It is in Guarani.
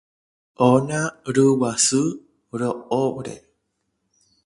ona ryguasu ro'óre